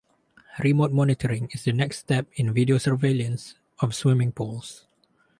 Remote monitoring is the next step in video surveillance of swimming pools.